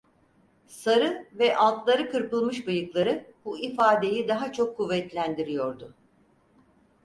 Sarı ve altları kırpılmış bıyıkları bu ifadeyi daha çok kuvvetlendiriyordu.